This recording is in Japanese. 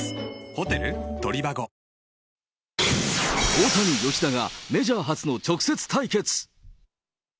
大谷、吉田が、メジャー初の直接対決。